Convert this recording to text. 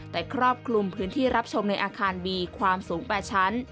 แต่ครอบคลุมพื้นที่รับชมในอาคารมีความสูง๘ชั้น